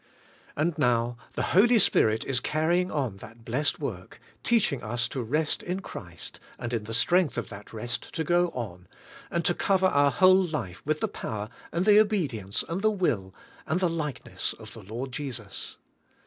And now, the Holy Spirit is carr3nng on that blessed work, teaching us to rest in Christ, and in the strength of that rest to go on, and to cover our whole life with the power, and the obedience, and the will, and the likeness of the Lord Jesus.